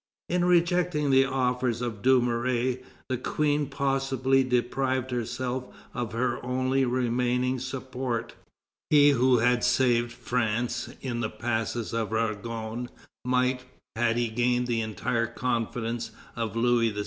In rejecting the offers of Dumouriez, the Queen possibly deprived herself of her only remaining support. He who saved France in the Passes of Argonne might, had he gained the entire confidence of Louis XVI.